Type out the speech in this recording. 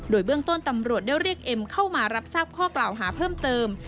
โดยเบื้องต้นตำรวจได้เรียกเอ็มเข้ามารับทราบข้อกล่าวหาเพิ่มเติม